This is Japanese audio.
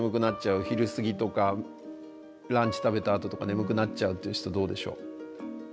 昼過ぎとかランチ食べたあととか眠くなっちゃうっていう人どうでしょう。